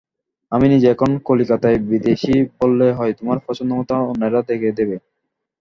আমি নিজে এখন কলিকাতায় বিদেশী বললেই হয়, তোমার পছন্দমত অন্যেরা দেখে দেবে।